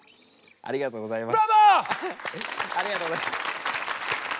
ありがとうございます。